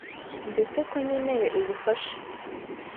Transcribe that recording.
ndetse ko nkeneye ubufasha